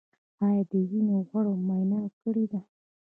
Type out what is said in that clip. ایا د وینې غوړ مو معاینه کړي دي؟